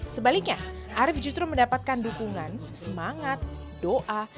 sebaliknya arief justru mendapatkan dukungan semangat doa